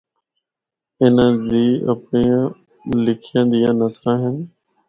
اِناں دی اپنڑیاں لکھیاں دیاں نثراں ہن۔